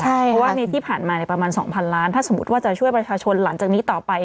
เพราะว่าในที่ผ่านมาประมาณ๒๐๐ล้านถ้าสมมุติว่าจะช่วยประชาชนหลังจากนี้ต่อไป